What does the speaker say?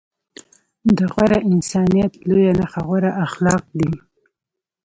د غوره انسانيت لويه نښه غوره اخلاق دي.